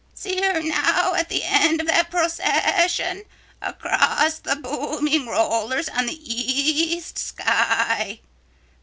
See her now at the end of that procession across the booming rollers on the east sky.